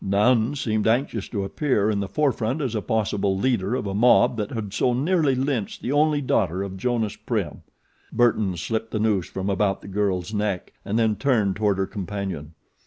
None seemed anxious to appear in the forefront as a possible leader of a mob that had so nearly lynched the only daughter of Jonas Prim. Burton slipped the noose from about the girl's neck and then turned toward her companion.